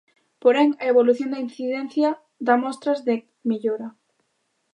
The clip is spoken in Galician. Porén, a evolución da incidencia da mostras de mellora.